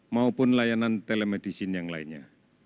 maupun layanan telemedicine yang lainnya